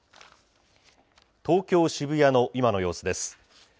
東京・渋谷の今の様子です。